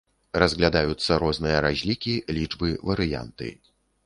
Разглядаюцца розныя разлікі, лічбы, варыянты.